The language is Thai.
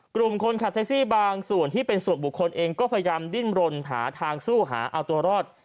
กลุ่มคนขับแท็กซี่บางส่วนที่เป็นส่วนบุคคลเองก็พยายามดิ้นรนหาทางสู้หาเอาตัวรอด